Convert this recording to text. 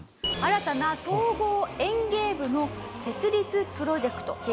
新たな総合演芸部の設立プロジェクト。